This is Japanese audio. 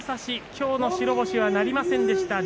今日の白星はなりませんでした。